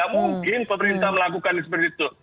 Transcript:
mungkin pemerintah melakukan seperti itu